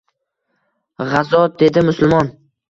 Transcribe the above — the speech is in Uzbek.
G’azot, dedi musulmon.